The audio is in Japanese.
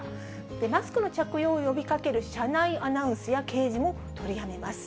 マスクの着用を呼びかける車内アナウンスや掲示も取りやめます。